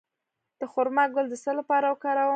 د خرما ګل د څه لپاره وکاروم؟